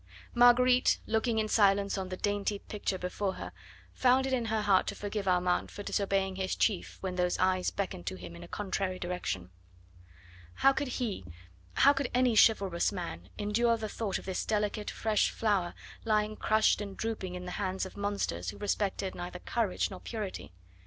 Marguerite, looking in silence on the dainty picture before her, found it in her heart to forgive Armand for disobeying his chief when those eyes beckoned to him in a contrary direction. How could he, how could any chivalrous man endure the thought of this delicate, fresh flower lying crushed and drooping in the hands of monsters who respected neither courage nor purity?